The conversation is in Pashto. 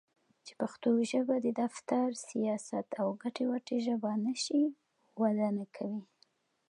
چې پښتو ژبه د دفتر٬ سياست او ګټې وټې ژبه نشي؛ وده نکوي.